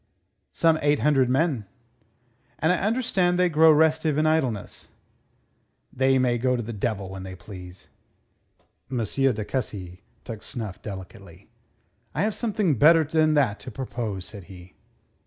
"Some eight hundred men." "And I understand they grow restive in idleness." "They may go to the devil when they please." M. de Cussy took snuff delicately. "I have something better than that to propose," said he.